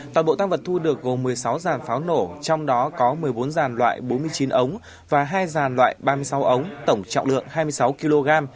toàn bộ tăng vật thu được gồm một mươi sáu giàn pháo nổ trong đó có một mươi bốn dàn loại bốn mươi chín ống và hai dàn loại ba mươi sáu ống tổng trọng lượng hai mươi sáu kg